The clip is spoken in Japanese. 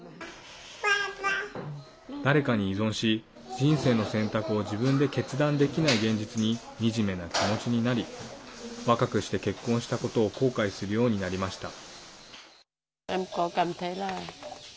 誰かに依存し、人生の選択を自分で決断できない現実に惨めな気持ちになり若くして結婚したことを後悔するようになりました。